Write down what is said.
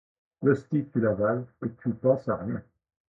L'hostie, tu l'avales et tu penses à rien.